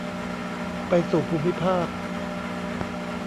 ไปสู่ภูมิภาค